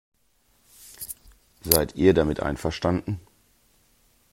Seid ihr damit einverstanden?